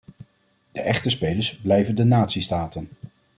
De echte spelers blijven de natiestaten.